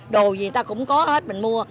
đồ gì ta cũng có hết mình mua